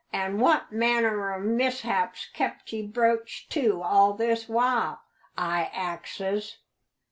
An' what manner o' mishap's kept ye broached to all this while? I axes."